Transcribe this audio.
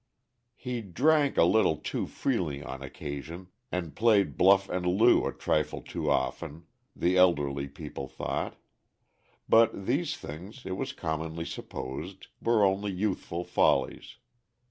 He drank a little too freely on occasion, and played bluff and loo a trifle too often, the elderly people thought; but these things, it was commonly supposed, were only youthful follies.